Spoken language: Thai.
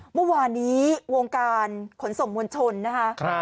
เมื่อวานนี้วงการขนส่งมวลชนนะคะ